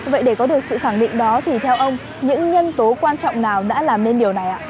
vậy để có được sự khẳng định đó thì theo ông những nhân tố quan trọng nào đã làm nên điều này ạ